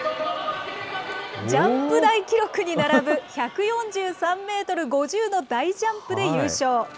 ジャンプ台記録に並ぶ、１４３メートル５０の大ジャンプで優勝。